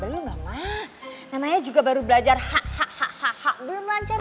belumaremu maaf namanya juga baru belajar hahaha waduh lancar